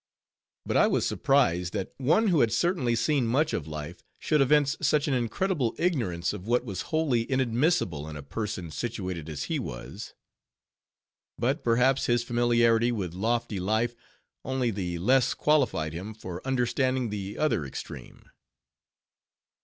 But I was surprised, that one who had certainly seen much of life, should evince such an incredible ignorance of what was wholly inadmissible in a person situated as he was. But perhaps his familiarity with lofty life, only the less qualified him for understanding the other extreme.